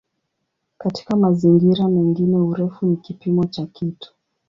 Katika mazingira mengine "urefu" ni kipimo cha kitu.